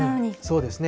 そうですね。